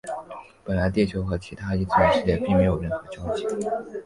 本来地球和其他异次元世界并没有任何交集。